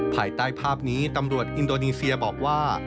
ภายใต้ภาพนี้ตำรวจอินโดนีเซียบอกว่า